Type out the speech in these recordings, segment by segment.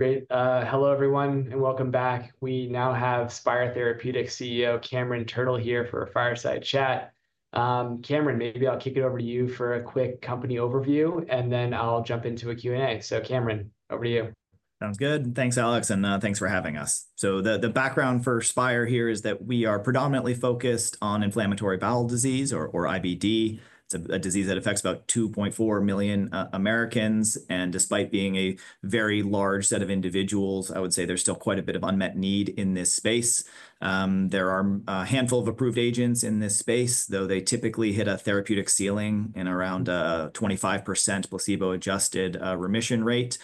Great. Hello, everyone, and welcome back. We now have Spyre Therapeutics CEO, Cameron Turtle, here for a fireside chat. Cameron, maybe I'll kick it over to you for a quick company overview, and then I'll jump into a Q&A. So Cameron, over to you. Sounds good, and thanks, Alex, and thanks for having us. So the background for Spyre here is that we are predominantly focused on inflammatory bowel disease, or IBD. It's a disease that affects about 2.4 million Americans, and despite being a very large set of individuals, I would say there's still quite a bit of unmet need in this space. There are a handful of approved agents in this space, though they typically hit a therapeutic ceiling in around 25% placebo-adjusted remission rate.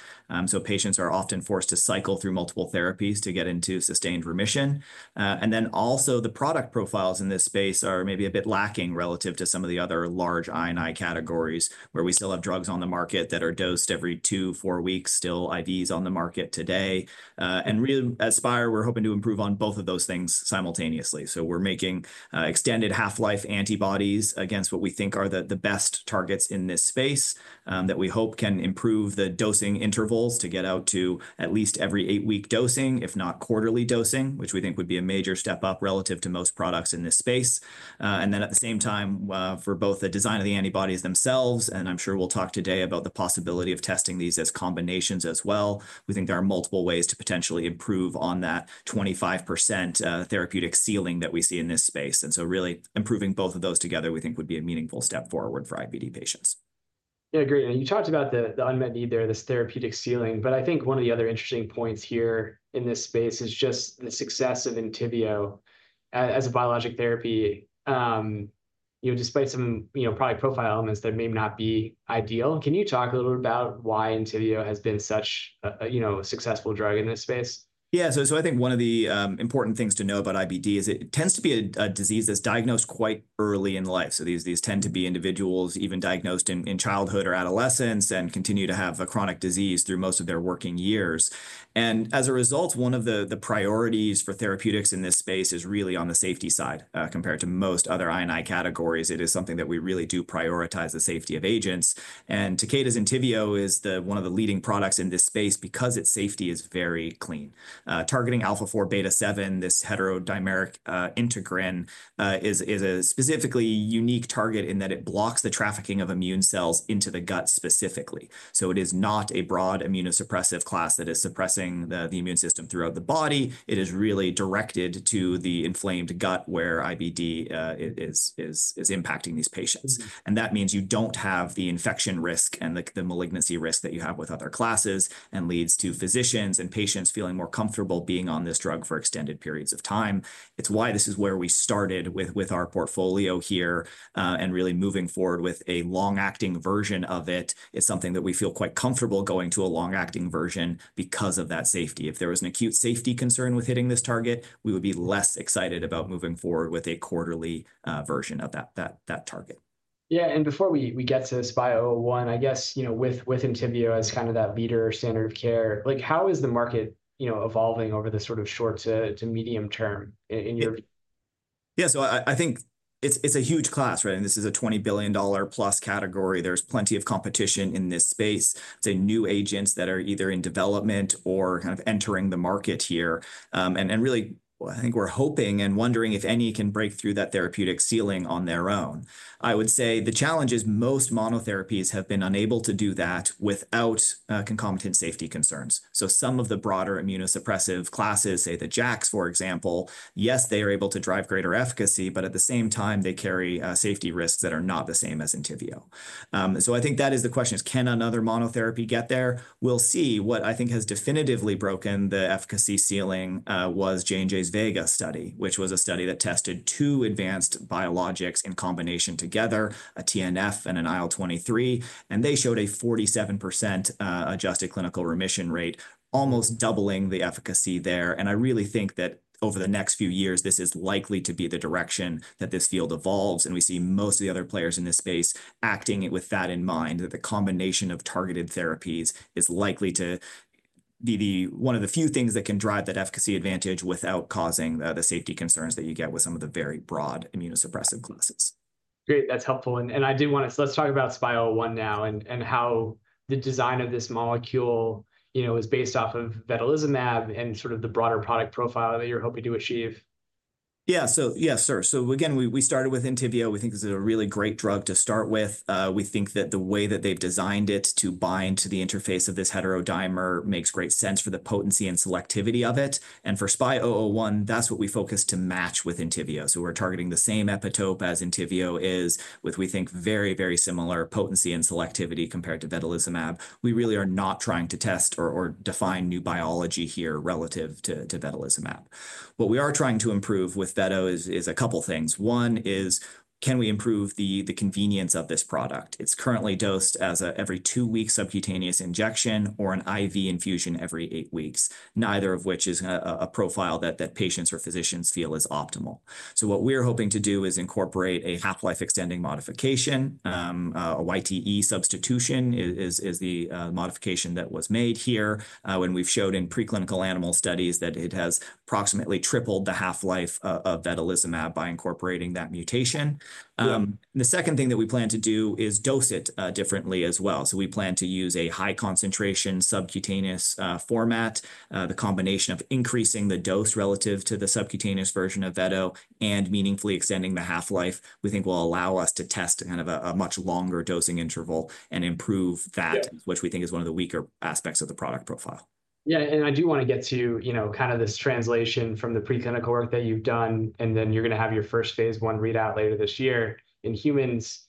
So patients are often forced to cycle through multiple therapies to get into sustained remission. And then also, the product profiles in this space are maybe a bit lacking relative to some of the other large I&I categories, where we still have drugs on the market that are dosed every two to four weeks, still IVs on the market today. And really, at Spyre, we're hoping to improve on both of those things simultaneously. So we're making extended half-life antibodies against what we think are the best targets in this space, that we hope can improve the dosing intervals to get out to at least every eight-week dosing, if not quarterly dosing, which we think would be a major step up relative to most products in this space. And then, at the same time, for both the design of the antibodies themselves, and I'm sure we'll talk today about the possibility of testing these as combinations as well, we think there are multiple ways to potentially improve on that 25% therapeutic ceiling that we see in this space. And so really improving both of those together, we think, would be a meaningful step forward for IBD patients. Yeah, agreed. And you talked about the unmet need there, this therapeutic ceiling, but I think one of the other interesting points here in this space is just the success of Entyvio as a biologic therapy. You know, despite some, you know, product profile elements that may not be ideal. Can you talk a little bit about why Entyvio has been such a you know a successful drug in this space? Yeah, so, so I think one of the important things to know about IBD is it tends to be a, a disease that's diagnosed quite early in life. So these, these tend to be individuals even diagnosed in, in childhood or adolescence, and continue to have a chronic disease through most of their working years. And as a result, one of the priorities for therapeutics in this space is really on the safety side. Compared to most other I&I categories, it is something that we really do prioritize the safety of agents. And Takeda's Entyvio is the one of the leading products in this space because its safety is very clean. Targeting alpha-4 beta-7, this heterodimeric integrin is a specifically unique target in that it blocks the trafficking of immune cells into the gut specifically. So it is not a broad immunosuppressive class that is suppressing the immune system throughout the body. It is really directed to the inflamed gut, where IBD is impacting these patients. And that means you don't have the infection risk and the malignancy risk that you have with other classes, and leads to physicians and patients feeling more comfortable being on this drug for extended periods of time. It's why this is where we started with our portfolio here, and really moving forward with a long-acting version of it is something that we feel quite comfortable going to a long-acting version because of that safety. If there was an acute safety concern with hitting this target, we would be less excited about moving forward with a quarterly version of that target. Yeah, and before we get to SPY001, I guess, you know, with Entyvio as kind of that leader or standard of care, like, how is the market, you know, evolving over the sort of short to medium term in your- Yeah, so I think it's a huge class, right? And this is a $20 billion-plus category. There's plenty of competition in this space. Say, new agents that are either in development or kind of entering the market here. And really, well, I think we're hoping and wondering if any can break through that therapeutic ceiling on their own. I would say the challenge is most monotherapies have been unable to do that without concomitant safety concerns. So some of the broader immunosuppressive classes, say the JAKs, for example, yes, they are able to drive greater efficacy, but at the same time, they carry safety risks that are not the same as Entyvio. So I think that is the question, is can another monotherapy get there? We'll see. What I think has definitively broken the efficacy ceiling was J&J's VEGA study, which was a study that tested two advanced biologics in combination together, a TNF and an IL-23, and they showed a 47% adjusted clinical remission rate, almost doubling the efficacy there. And I really think that over the next few years, this is likely to be the direction that this field evolves, and we see most of the other players in this space acting with that in mind, that the combination of targeted therapies is likely to be one of the few things that can drive that efficacy advantage without causing the safety concerns that you get with some of the very broad immunosuppressive classes. Great, that's helpful. And I did wanna, so let's talk about SPY001 now, and how the design of this molecule, you know, is based off of vedolizumab and sort of the broader product profile that you're hoping to achieve. Yeah. So yes, sir, so again, we started with Entyvio. We think this is a really great drug to start with. We think that the way that they've designed it to bind to the interface of this heterodimer makes great sense for the potency and selectivity of it. And for SPY001, that's what we focus to match with Entyvio, so we're targeting the same epitope as Entyvio is, with, we think, very, very similar potency and selectivity compared to vedolizumab. We really are not trying to test or define new biology here relative to vedolizumab. What we are trying to improve with vedo is a couple things. One is, can we improve the convenience of this product? It's currently dosed as a every two weeks subcutaneous injection or an IV infusion every eight weeks, neither of which is a profile that patients or physicians feel is optimal, so what we're hoping to do is incorporate a half-life extending modification. A YTE substitution is the modification that was made here, when we've showed in preclinical animal studies that it has approximately tripled the half-life of vedolizumab by incorporating that mutation. Yeah. The second thing that we plan to do is dose it differently as well. So we plan to use a high-concentration subcutaneous format. The combination of increasing the dose relative to the subcutaneous version of vedo and meaningfully extending the half-life, we think will allow us to test kind of a much longer dosing interval and improve that- Yeah... which we think is one of the weaker aspects of the product profile. ... Yeah, and I do want to get to, you know, kind of this translation from the preclinical work that you've done, and then you're going to have your first phase I readout later this year in humans.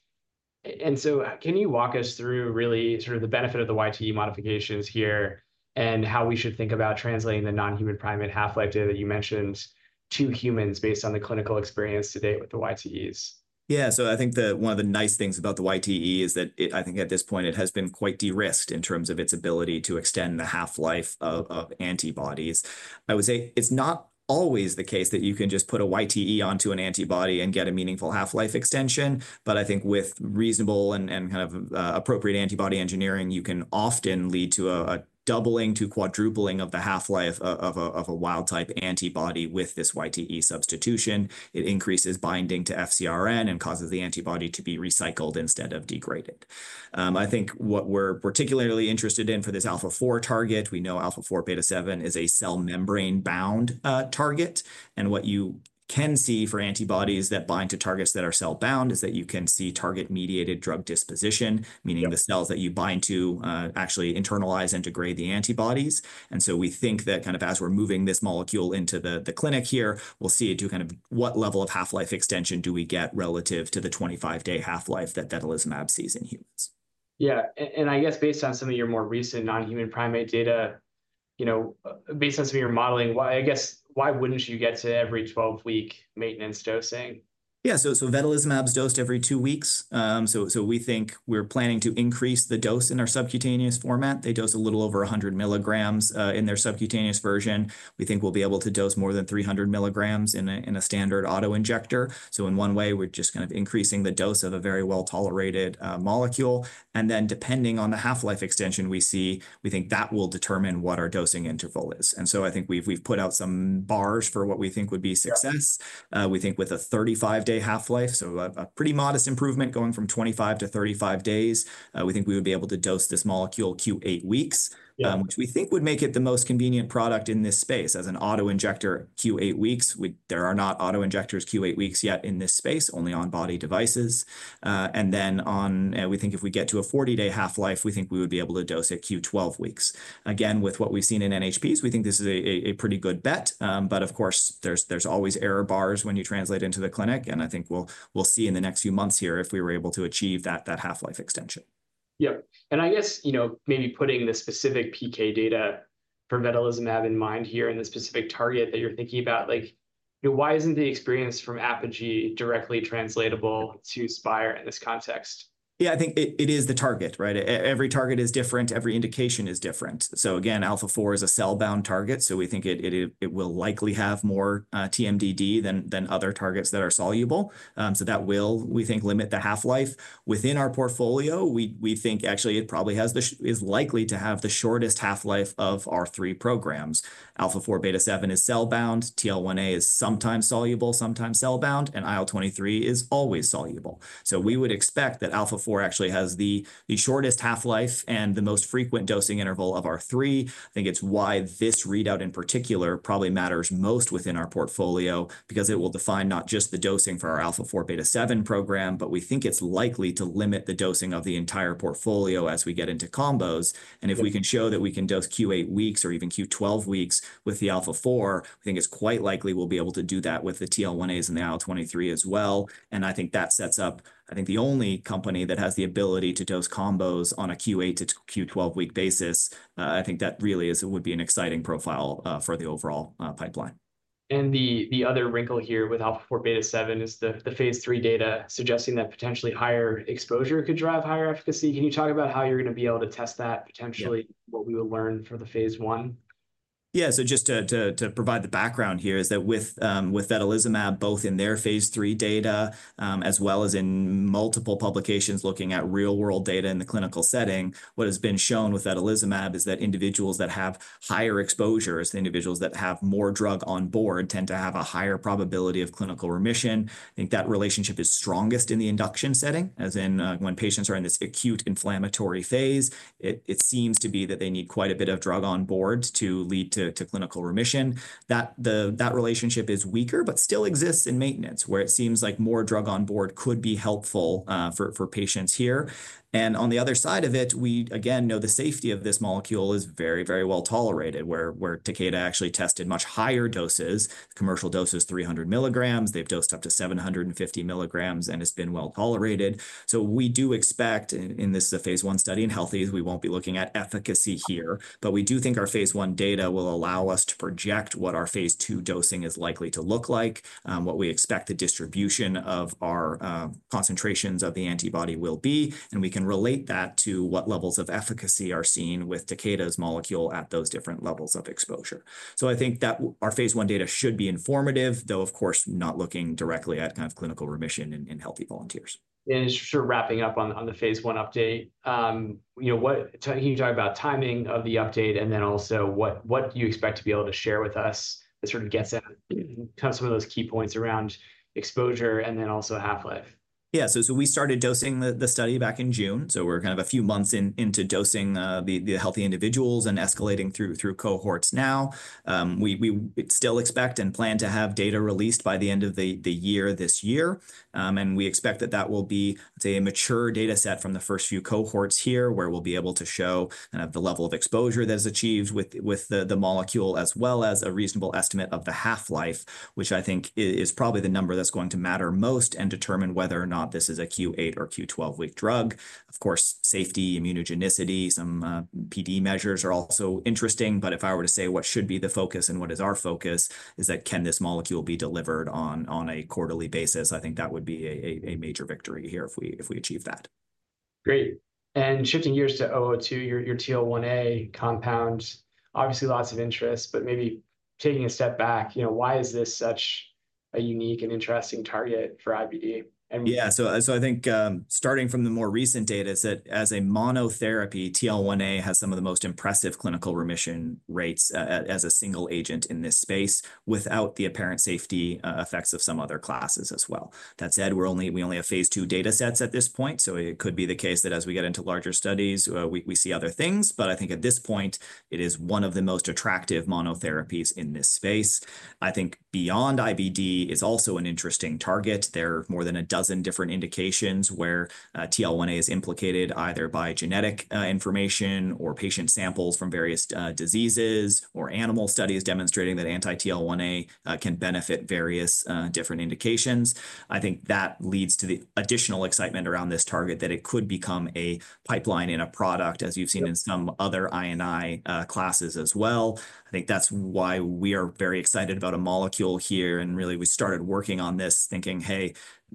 And so can you walk us through really sort of the benefit of the YTE modifications here, and how we should think about translating the non-human primate half-life data that you mentioned to humans based on the clinical experience to date with the YTEs? Yeah. So I think that one of the nice things about the YTE is that. I think at this point, it has been quite de-risked in terms of its ability to extend the half-life of antibodies. I would say it's not always the case that you can just put a YTE onto an antibody and get a meaningful half-life extension, but I think with reasonable and kind of appropriate antibody engineering, you can often lead to a doubling to quadrupling of the half-life of a wild-type antibody with this YTE substitution. It increases binding to FcRn and causes the antibody to be recycled instead of degraded. I think what we're particularly interested in for this alpha-4 target, we know alpha-4 beta-7 is a cell membrane-bound target. What you can see for antibodies that bind to targets that are cell-bound is that you can see target-mediated drug disposition- Yep... meaning the cells that you bind to actually internalise and degrade the antibodies. And so we think that kind of as we're moving this molecule into the clinic here, we'll see it to kind of what level of half-life extension do we get relative to the 25-day half-life that vedolizumab sees in humans. Yeah. And I guess based on some of your more recent non-human primate data, you know, based on some of your modeling, why, I guess, why wouldn't you get to every 12-week maintenance dosing? Yeah. So vedolizumab's dosed every two weeks. So we think we're planning to increase the dose in our subcutaneous format. They dose a little over one hundred milligrams in their subcutaneous version. We think we'll be able to dose more than three hundred milligrams in a standard auto-injector. So in one way, we're just kind of increasing the dose of a very well-tolerated molecule. And then, depending on the half-life extension we see, we think that will determine what our dosing interval is. And so I think we've put out some bars for what we think would be success. We think with a 35-day half-life, so a pretty modest improvement going from 25 to 35 days, we think we would be able to dose this molecule Q eight weeks. Yeah. Which we think would make it the most convenient product in this space. As an auto-injector, Q8 weeks, there are not auto-injectors Q8 weeks yet in this space, only on-body devices. And then on, we think if we get to a 40-day half-life, we think we would be able to dose at Q12 weeks. Again, with what we've seen in NHPs, we think this is a pretty good bet. But of course, there's always error bars when you translate into the clinic, and I think we'll see in the next few months here if we were able to achieve that half-life extension. Yep. And I guess, you know, maybe putting the specific PK data for vedolizumab in mind here, and the specific target that you're thinking about, like, why isn't the experience from Apogee directly translatable to Spyre in this context? Yeah, I think it is the target, right? Every target is different, every indication is different. So again, alpha-4 is a cell-bound target, so we think it will likely have more TMDD than other targets that are soluble. So that will, we think, limit the half-life. Within our portfolio, we think actually it probably is likely to have the shortest half-life of our three programs. Alpha-4 beta-7 is cell-bound, TL1A is sometimes soluble, sometimes cell-bound, and IL-23 is always soluble. So we would expect that alpha-4 actually has the shortest half-life and the most frequent dosing interval of our three. I think it's why this readout, in particular, probably matters most within our portfolio because it will define not just the dosing for our alpha-4 beta-7 program, but we think it's likely to limit the dosing of the entire portfolio as we get into combos. Yeah. And if we can show that we can dose Q8 weeks or even Q12 weeks with the alpha-4, I think it's quite likely we'll be able to do that with the TL1As and the IL-23 as well, and I think that sets up, I think, the only company that has the ability to dose combos on a Q8 to Q12-week basis. I think that really would be an exciting profile for the overall pipeline. The other wrinkle here with alpha-4 beta-7 is the phase III data suggesting that potentially higher exposure could drive higher efficacy. Can you talk about how you're going to be able to test that, potentially- Yeah... what we will learn from the phase I? Yeah, so just to provide the background here is that with vedolizumab, both in their phase III data, as well as in multiple publications looking at real-world data in the clinical setting, what has been shown with vedolizumab is that individuals that have higher exposures, individuals that have more drug on board, tend to have a higher probability of clinical remission. I think that relationship is strongest in the induction setting, as in, when patients are in this acute inflammatory phase, it seems to be that they need quite a bit of drug on board to lead to clinical remission. That relationship is weaker, but still exists in maintenance, where it seems like more drug on board could be helpful for patients here. And on the other side of it, we again know the safety of this molecule is very, very well tolerated, where Takeda actually tested much higher doses. Commercial dose is 300 milligrams. They've dosed up to 750 milligrams, and it's been well tolerated. So we do expect, and this is a phase I study in healthy. We won't be looking at efficacy here, but we do think our phase I data will allow us to project what our phase II dosing is likely to look like, what we expect the distribution of our concentrations of the antibody will be, and we can relate that to what levels of efficacy are seen with Takeda's molecule at those different levels of exposure. So I think that our phase I data should be informative, though, of course, not looking directly at kind of clinical remission in healthy volunteers. Just sort of wrapping up on the phase I update, you know, can you talk about timing of the update, and then also, what do you expect to be able to share with us that sort of gets at kind of some of those key points around exposure and then also half-life?... Yeah, so we started dosing the study back in June, so we're kind of a few months into dosing the healthy individuals and escalating through cohorts now. We still expect and plan to have data released by the end of the year this year. And we expect that will be, say, a mature data set from the first few cohorts here, where we'll be able to show kind of the level of exposure that is achieved with the molecule, as well as a reasonable estimate of the half-life, which I think is probably the number that's going to matter most and determine whether or not this is a Q8 or Q12-week drug. Of course, safety, immunogenicity, some PD measures are also interesting, but if I were to say what should be the focus and what is our focus, is that can this molecule be delivered on a quarterly basis? I think that would be a major victory here if we achieve that. Great. And shifting gears to 002, your TL1A compound, obviously lots of interest, but maybe taking a step back, you know, why is this such a unique and interesting target for IBD? And- Yeah, so I think, starting from the more recent data, is that as a monotherapy, TL1A has some of the most impressive clinical remission rates as a single agent in this space, without the apparent safety effects of some other classes as well. That said, we only have phase II data sets at this point, so it could be the case that as we get into larger studies, we see other things. But I think at this point, it is one of the most attractive monotherapies in this space. I think beyond IBD, it's also an interesting target. There are more than a dozen different indications where TL1A is implicated, either by genetic information, or patient samples from various diseases, or animal studies demonstrating that anti-TL1A can benefit various different indications. I think that leads to the additional excitement around this target, that it could become a pipeline and a product, as you've seen in some other I&I classes as well. I think that's why we are very excited about a molecule here, and really, we started working on this thinking, "Hey,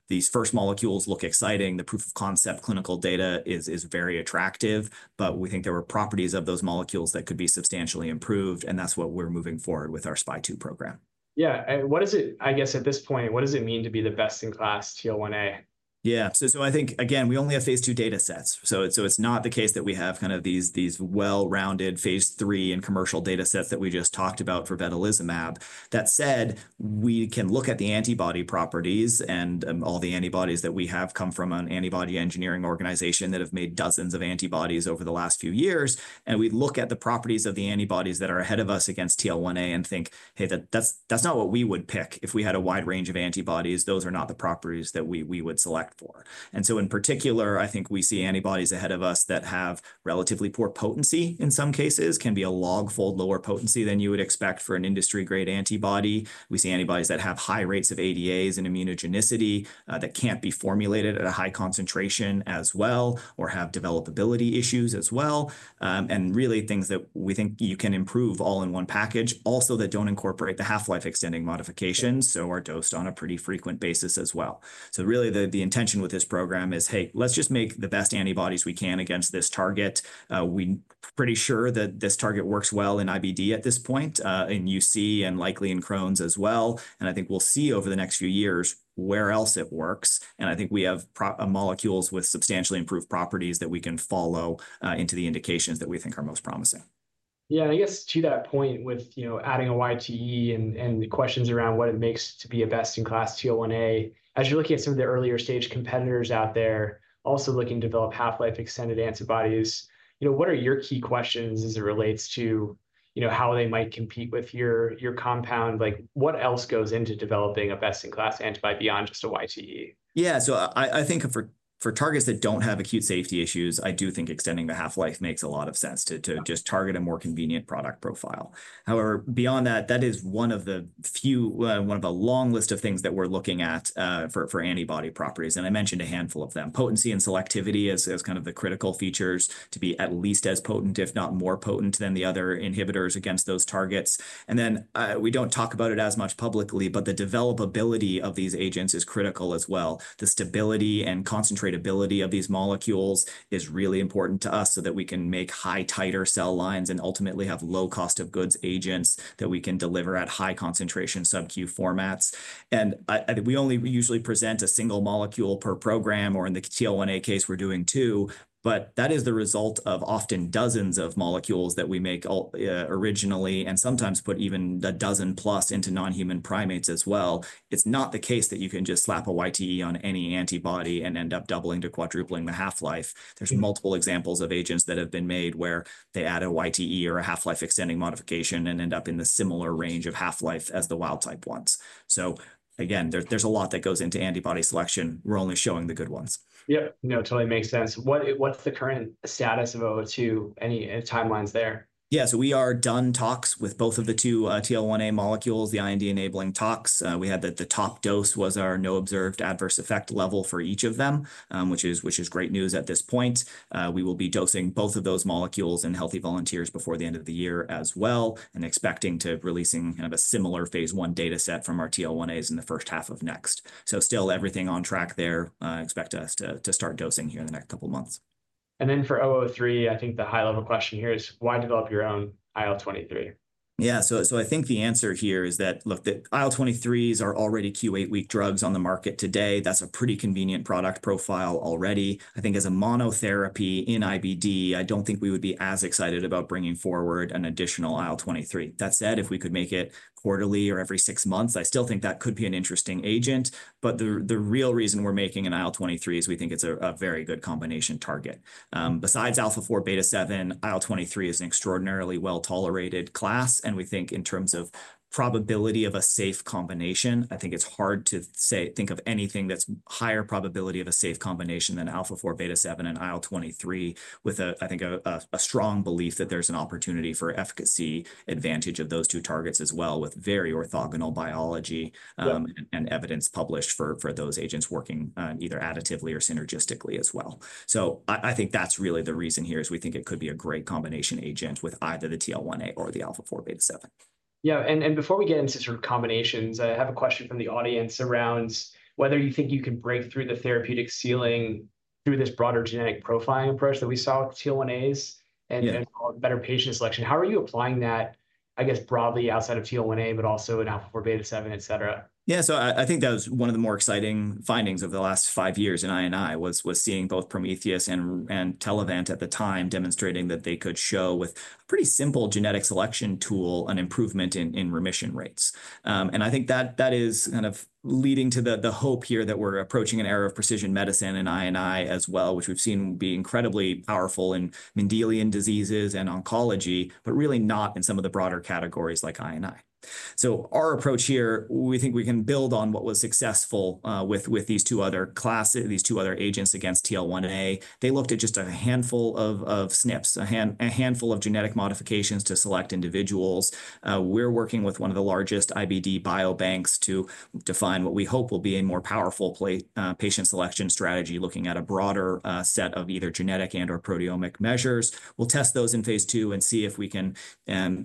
these first molecules look exciting. The proof of concept clinical data is very attractive," but we think there were properties of those molecules that could be substantially improved, and that's what we're moving forward with our Spyre program. Yeah, and what does it... I guess at this point, what does it mean to be the best-in-class TL1A? Yeah. So I think, again, we only have phase II data sets. So it's not the case that we have kind of these well-rounded phase III and commercial data sets that we just talked about for vedolizumab. That said, we can look at the antibody properties, and all the antibodies that we have come from an antibody engineering organization that have made dozens of antibodies over the last few years, and we look at the properties of the antibodies that are ahead of us against TL1A and think, "Hey, that's not what we would pick if we had a wide range of antibodies. Those are not the properties that we would select for," and so in particular, I think we see antibodies ahead of us that have relatively poor potency, in some cases, can be a log-fold lower potency than you would expect for an industry-grade antibody. We see antibodies that have high rates of ADAs and immunogenicity, that can't be formulated at a high concentration as well, or have developability issues as well, and really things that we think you can improve all in one package. Also, that don't incorporate the half-life extending modifications, so are dosed on a pretty frequent basis as well. So really, the intention with this program is, "Hey, let's just make the best antibodies we can against this target." We pretty sure that this target works well in IBD at this point, in UC, and likely in Crohn's as well, and I think we'll see over the next few years where else it works, and I think we have molecules with substantially improved properties that we can follow into the indications that we think are most promising. Yeah, I guess to that point with, you know, adding a YTE and the questions around what it makes to be a best-in-class TL1A, as you're looking at some of the earlier stage competitors out there, also looking to develop half-life extended antibodies, you know, what are your key questions as it relates to, you know, how they might compete with your compound? Like, what else goes into developing a best-in-class antibody beyond just a YTE? Yeah. So I think for targets that don't have acute safety issues, I do think extending the half-life makes a lot of sense, to just target a more convenient product profile. However, beyond that, that is one of the few, one of a long list of things that we're looking at, for antibody properties, and I mentioned a handful of them. Potency and selectivity is kind of the critical features to be at least as potent, if not more potent than the other inhibitors against those targets. And then, we don't talk about it as much publicly, but the developability of these agents is critical as well. The stability and concentratability of these molecules is really important to us, so that we can make high-titer cell lines, and ultimately have low cost of goods agents that we can deliver at high concentration subq formats. We only usually present a single molecule per program, or in the TL1A case, we're doing two, but that is the result of often dozens of molecules that we make all originally, and sometimes put even a dozen plus into non-human primates as well. It's not the case that you can just slap a YTE on any antibody and end up doubling to quadrupling the half-life. Mm. There's multiple examples of agents that have been made, where they add a YTE or a half-life extending modification and end up in the similar range of half-life as the wild type ones. So again, there, there's a lot that goes into antibody selection. We're only showing the good ones. Yep. No, totally makes sense. What is- what's the current status of 002? Any timelines there? Yeah, so we are done tox with both of the two TL1A molecules, the IND-enabling tox. We had the top dose was our no observed adverse effect level for each of them, which is great news at this point. We will be dosing both of those molecules in healthy volunteers before the end of the year as well, and expecting to releasing kind of a similar phase I data set from our TL1As in the first half of next. Still everything on track there. Expect us to start dosing here in the next couple of months. And then for 003, I think the high-level question here is, why develop your own IL-23?... Yeah, so I think the answer here is that, look, the IL-23s are already Q8-week drugs on the market today. That's a pretty convenient product profile already. I think as a monotherapy in IBD, I don't think we would be as excited about bringing forward an additional IL-23. That said, if we could make it quarterly or every six months, I still think that could be an interesting agent. But the real reason we're making an IL-23 is we think it's a very good combination target. Besides alpha-4 beta-7, IL-23 is an extraordinarily well-tolerated class, and we think in terms of probability of a safe combination. I think it's hard to say—think of anything that's higher probability of a safe combination than alpha-4 beta-7 and IL-23, with, I think, a strong belief that there's an opportunity for efficacy advantage of those two targets as well, with very orthogonal biology. Yeah... and evidence published for those agents working either additively or synergistically as well. So I think that's really the reason here, is we think it could be a great combination agent with either the TL1A or the alpha-4, beta-7. Yeah, and before we get into sort of combinations, I have a question from the audience around whether you think you can break through the therapeutic ceiling through this broader genetic profiling approach that we saw with TL1As- Yeah.... and then better patient selection. How are you applying that, I guess, broadly outside of TL1A, but also in alpha-4, beta-7, et cetera? Yeah, so I think that was one of the more exciting findings over the last five years in I&I, seeing both Prometheus and Telavant at the time demonstrating that they could show, with pretty simple genetic selection tool, an improvement in remission rates. And I think that is kind of leading to the hope here that we're approaching an era of precision medicine in I&I as well, which we've seen be incredibly powerful in Mendelian diseases and oncology, but really not in some of the broader categories like I&I. So our approach here, we think we can build on what was successful with these two other agents against TL1A. They looked at just a handful of SNPs, a handful of genetic modifications to select individuals. We're working with one of the largest IBD biobanks to define what we hope will be a more powerful patient selection strategy, looking at a broader set of either genetic and/or proteomic measures. We'll test those in phase two and see if we can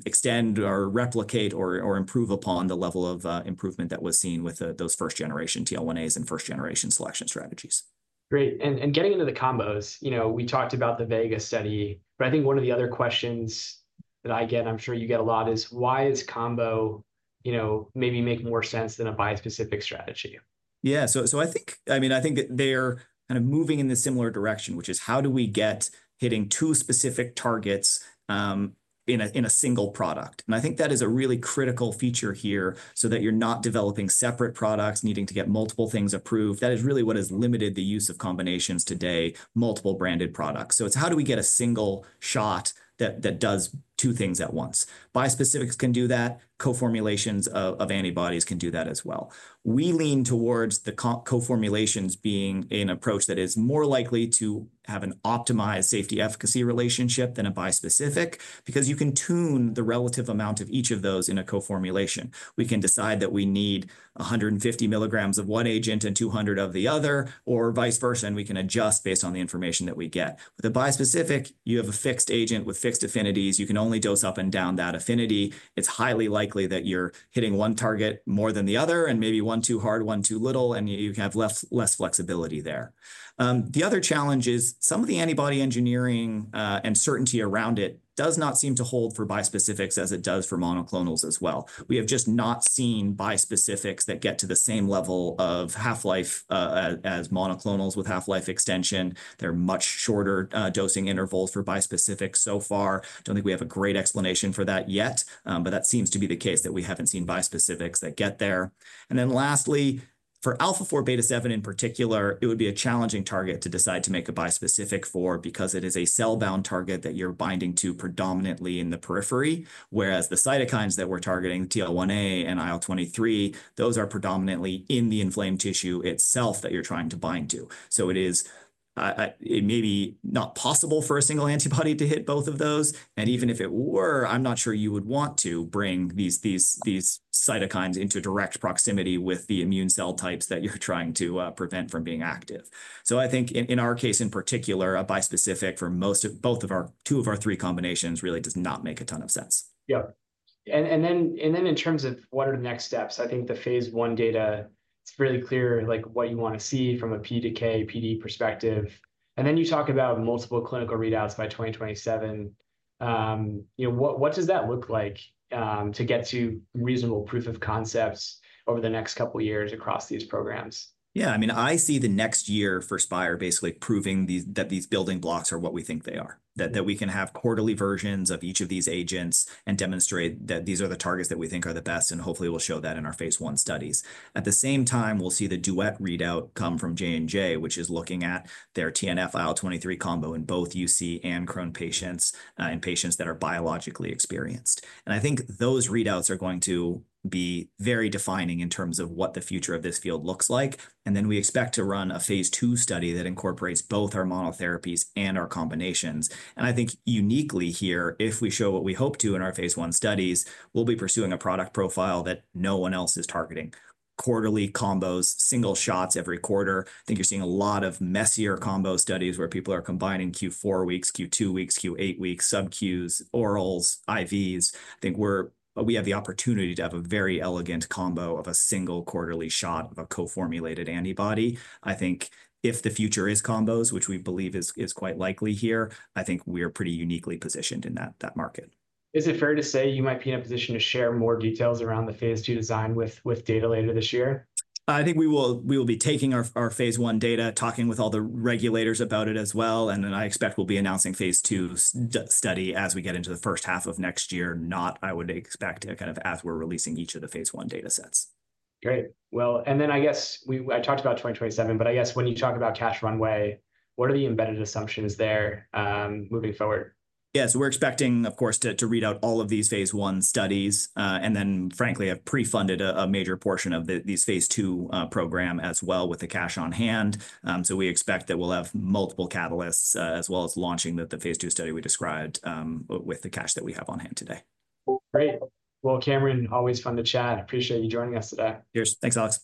extend or replicate or improve upon the level of improvement that was seen with those first-generation TL1As and first-generation selection strategies. Great. And getting into the combos, you know, we talked about the VEGA study, but I think one of the other questions that I get, I'm sure you get a lot, is: Why is combo, you know, maybe making more sense than a bispecific strategy? Yeah. So I think... I mean, I think that they're kind of moving in the similar direction, which is, how do we get hitting two specific targets in a single product? and I think that is a really critical feature here so that you're not developing separate products, needing to get multiple things approved. That is really what has limited the use of combinations today, multiple branded products. So it's how do we get a single shot that does two things at once? Bispecifics can do that, co-formulations of antibodies can do that as well. We lean towards the co-formulations being an approach that is more likely to have an optimized safety-efficacy relationship than a bispecific, because you can tune the relative amount of each of those in a co-formulation. We can decide that we need one hundred and fifty milligrams of one agent and two hundred of the other, or vice versa, and we can adjust based on the information that we get. With a bispecific, you have a fixed agent with fixed affinities. You can only dose up and down that affinity. It's highly likely that you're hitting one target more than the other, and maybe one too hard, one too little, and you have less flexibility there. The other challenge is some of the antibody engineering, and certainty around it does not seem to hold for bispecifics as it does for monoclonals as well. We have just not seen bispecifics that get to the same level of half-life, as monoclonals with half-life extension. They're much shorter dosing intervals for bispecific so far. Don't think we have a great explanation for that yet, but that seems to be the case, that we haven't seen bispecifics that get there. And then lastly, for alpha-4 beta-7 in particular, it would be a challenging target to decide to make a bispecific for, because it is a cell-bound target that you're binding to predominantly in the periphery, whereas the cytokines that we're targeting, TL1A and IL-23, those are predominantly in the inflamed tissue itself that you're trying to bind to. So it is. It may be not possible for a single antibody to hit both of those, and even if it were, I'm not sure you would want to bring these, these, these cytokines into direct proximity with the immune cell types that you're trying to prevent from being active. I think in our case in particular, a bispecific for two of our three combinations really does not make a ton of sense. Yeah. And then in terms of what are the next steps, I think the phase I data. It's really clear, like, what you want to see from a PK/PD perspective. And then you talk about multiple clinical readouts by 2027. You know, what does that look like to get to reasonable proof of concepts over the next couple of years across these programs? Yeah, I mean, I see the next year for Spyre basically proving that these building blocks are what we think they are, that we can have quarterly versions of each of these agents and demonstrate that these are the targets that we think are the best, and hopefully we'll show that in our phase I studies. At the same time, we'll see the VEGA readout come from J&J, which is looking at their TNF IL-23 combo in both UC and Crohn's patients, in patients that are biologically experienced. And I think those readouts are going to be very defining in terms of what the future of this field looks like. And then we expect to run a phase II study that incorporates both our monotherapies and our combinations. And I think uniquely here, if we show what we hope to in our phase one studies, we'll be pursuing a product profile that no one else is targeting: quarterly combos, single shots every quarter. I think you're seeing a lot of messier combo studies, where people are combining Q4 weeks, Q2 weeks, Q8 weeks, subQs, orals, IVs. I think we have the opportunity to have a very elegant combo of a single quarterly shot of a co-formulated antibody. I think if the future is combos, which we believe is quite likely here, I think we're pretty uniquely positioned in that market. Is it fair to say you might be in a position to share more details around the phase II design with, with data later this year? I think we will be taking our phase I data, talking with all the regulators about it as well, and then I expect we'll be announcing phase II study as we get into the first half of next year, not, I would expect, kind of as we're releasing each of the phase I datasets. Great. And then I guess, I talked about 2027, but I guess when you talk about cash runway, what are the embedded assumptions there, moving forward? Yeah, so we're expecting, of course, to read out all of these phase I studies, and then frankly, have pre-funded a major portion of these phase two program as well with the cash on hand. So we expect that we'll have multiple catalysts, as well as launching the phase II study we described, with the cash that we have on hand today. Great. Well, Cameron, always fun to chat. I appreciate you joining us today. Cheers. Thanks, Alex.